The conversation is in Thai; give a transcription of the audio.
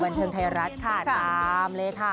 บันเทิงไทยรัฐค่ะตามเลยค่ะ